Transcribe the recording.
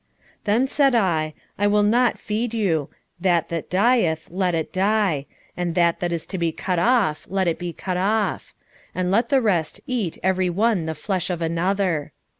11:9 Then said I, I will not feed you: that that dieth, let it die; and that that is to be cut off, let it be cut off; and let the rest eat every one the flesh of another.